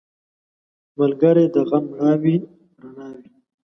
ملګری د غم مړاوې رڼا وي